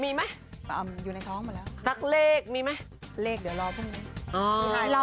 มาแล้วสักเลขมีไหมเลขเดี๋ยวรอพรุ่งนี้อ๋อ